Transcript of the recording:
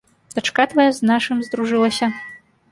Дачка твая з нашым здружылася.